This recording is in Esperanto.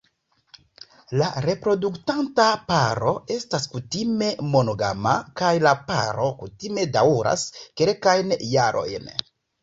La reproduktanta paro estas kutime monogama, kaj la paro kutime daŭras kelkajn jarojn.